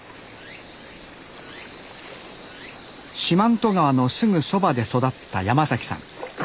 四万十川のすぐそばで育った山さん。